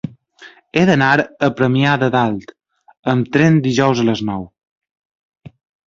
He d'anar a Premià de Dalt amb tren dijous a les nou.